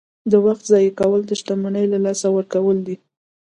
• د وخت ضایع کول د شتمنۍ له لاسه ورکول دي.